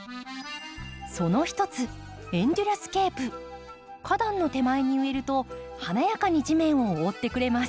その一つ花壇の手前に植えると華やかに地面を覆ってくれます。